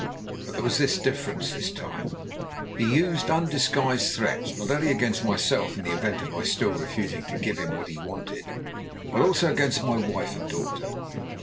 But there was this difference this time: he used undisguised threats, not only against myself, in the event of my still refusing to give him what he wanted, but also against my wife and daughter.